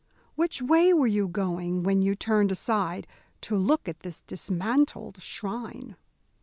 Which way were you going when you turned aside to look at this dismantled shrine?"